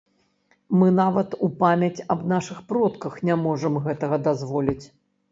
Мы нават у памяць аб нашых продках не можам гэтага дазволіць.